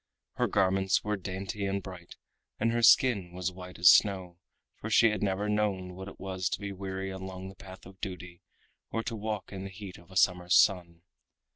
Her garments were dainty and bright, and her skin was white as snow, for she had never known what it was to be weary along the path of duty or to walk in the heat of a summer's sun.